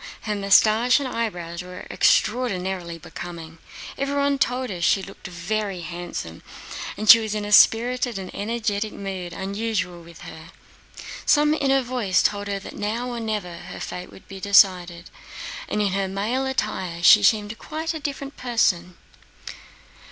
Her mustache and eyebrows were extraordinarily becoming. Everyone told her she looked very handsome, and she was in a spirited and energetic mood unusual with her. Some inner voice told her that now or never her fate would be decided, and in her male attire she seemed quite a different person.